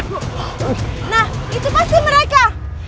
nah itu pasti mereka